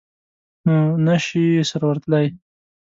نو نه شي سره ورتلای.